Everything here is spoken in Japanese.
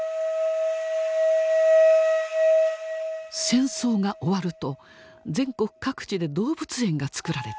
戦争が終わると全国各地で動物園がつくられた。